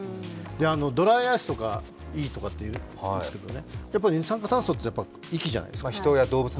ドライアイスとかいいとかいうんですけど二酸化炭素って息じゃないですか。